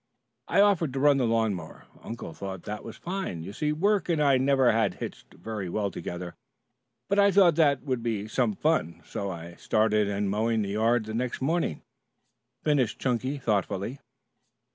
"I offered to run the lawn mower. Uncle thought that was fine. You see work and I never had hitched very well together. But I thought that would be some fun. So I started in mowing the yard the next morning," finished Chunky thoughtfully.